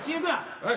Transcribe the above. はい。